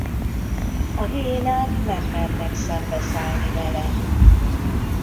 A hiénák nem mernek szembeszállni vele.